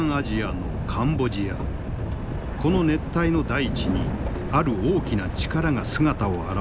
この熱帯の大地にある大きな力が姿を現していた。